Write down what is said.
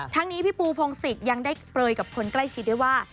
ทั้งนี้พี่ปูพงศิษย์ยังได้เปลยกับคนใกล้ชิดด้วยว่า